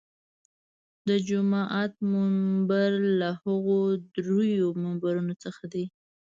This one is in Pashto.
د جومات منبر له هغو درېیو منبرونو څخه دی.